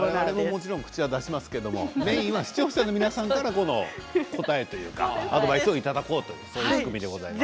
もちろん口は出しますけどメインは視聴者の皆さんからの答えというかアドバイスをいただこうという仕組みでございます。